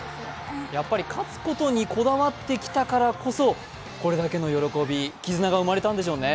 やっぱり勝つことにこだわってきたからこそこれだけの喜び、絆が生まれたんですね。